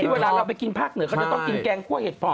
ที่เวลาเราไปกินภาคเหนือก็จะต้องกินแกงข้วยเห็ดหกห่อบ